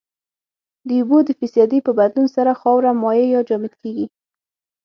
د اوبو د فیصدي په بدلون سره خاوره مایع یا جامد کیږي